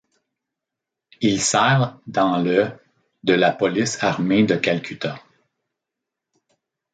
Il sert dans le de la Police armée de Calcutta.